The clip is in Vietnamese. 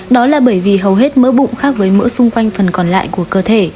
đó là bởi vì hầu hết mỡ bụng khác với mỡ xung quanh phần còn lại của cơ thể